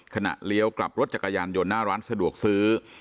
เลี้ยวกลับรถจักรยานยนต์หน้าร้านสะดวกซื้อ